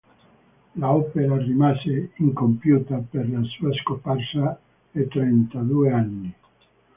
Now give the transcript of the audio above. L'opera rimase incompiuta per la sua scomparsa a trentadue anni.